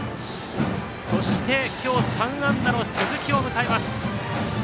そして今日３安打の鈴木を迎えます。